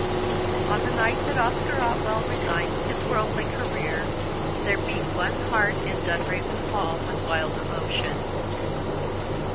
On the night that Oscar Otwell resigned his worldly career, there beat one heart in Dunraven Hall with wild emotion.